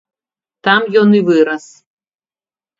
Там ён і вырас.